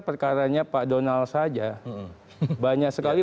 perkaranya pak donald saja banyak sekali